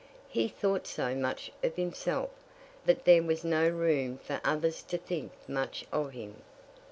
He thought so much of himself, that there was no room for others to think much of him.